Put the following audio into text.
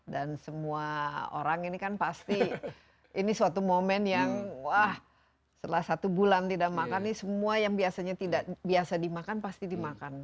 dan semua orang ini kan pasti ini suatu momen yang wah setelah satu bulan tidak makan nih semua yang biasanya tidak biasa dimakan pasti dimakan